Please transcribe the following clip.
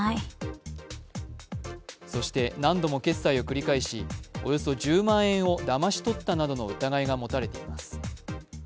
そして何度も決済を繰り返し、およそ１０万円をだまし取ったなどの疑いが持たれています。